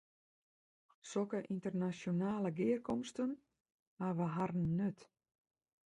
Sokke ynternasjonale gearkomsten hawwe harren nut.